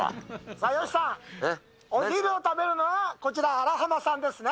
さあ吉さん、お昼を食べるはこちら、あら浜さんですね。